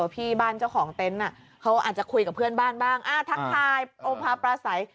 เพื่อนบ้านบ้างทักทายโอพาปราสัย